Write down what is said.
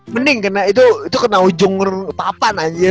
mending kena itu kena ujung rupapan anjir